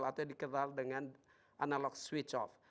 atau dikenal dengan analog switch off